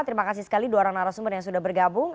terima kasih sekali dua orang narasumber yang sudah bergabung